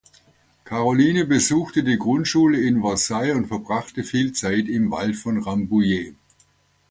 Caroline besuchte die Grundschule in Versailles und verbrachte viel Zeit im Wald von Rambouillet.